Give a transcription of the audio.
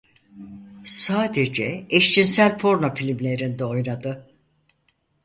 Sadece eşcinsel porno filmlerinde oynadı.